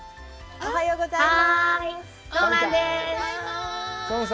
おはようございます。